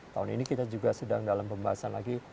tahun ini kita juga sedang dalam pembahasan lagi